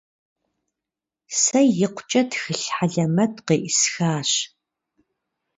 Сэ икъукӀэ тхылъ хьэлэмэт къеӀысхащ.